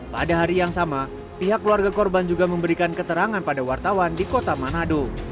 pada hari yang sama pihak keluarga korban juga memberikan keterangan pada wartawan di kota manado